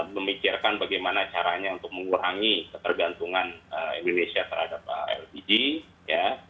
memikirkan bagaimana caranya untuk mengurangi ketergantungan indonesia terhadap lpg ya